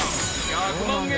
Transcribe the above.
［１００万円